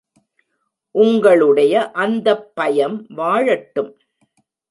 உங்களுடைய அந்தப் பயம் வாழட்டும்!